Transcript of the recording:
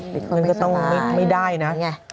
งั้นก็ต้องไม่ได้นะ